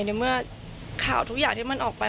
ในเมื่อข่าวทุกอย่างที่มันออกไป